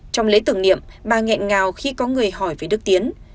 trong lễ tưởng niệm bà nghẹn ngào khi có người hỏi về đức tiến